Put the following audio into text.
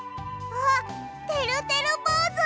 あってるてるぼうず！